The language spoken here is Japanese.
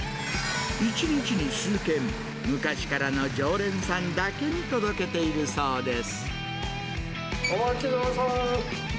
１日に数件、昔からの常連さんだけに届けているそうです。